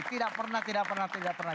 tidak pernah tidak pernah tidak pernah